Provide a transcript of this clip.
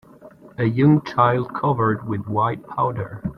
A young child covered with white powder.